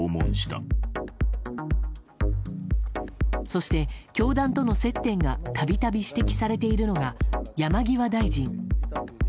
そして教団との接点が度々指摘されているのが山際大臣。